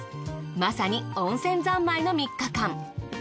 まさに温泉三昧の３日間。